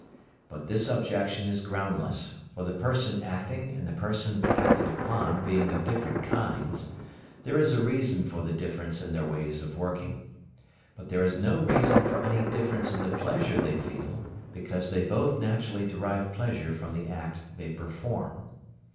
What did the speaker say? But this objection is groundless, for the person acting and the person acted upon being of different kinds, there is a reason for the difference in their ways of working; but there is no reason for any difference in the pleasure they feel, because they both naturally derive pleasure from the act they perform.